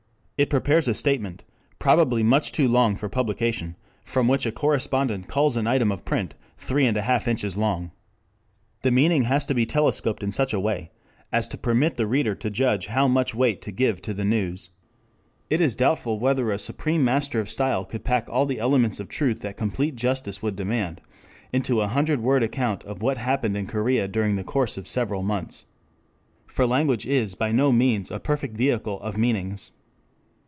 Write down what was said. It prepares a statement, probably much too long for publication, from which a correspondent culls an item of print three and a half inches long. The meaning has to be telescoped in such a way as to permit the reader to judge how much weight to give to the news. It is doubtful whether a supreme master of style could pack all the elements of truth that complete justice would demand into a hundred word account of what had happened in Korea during the course of several months. For language is by no means a perfect vehicle of meanings.